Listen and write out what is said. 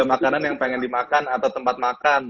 makanan yang pengen dimakan atau tempat makan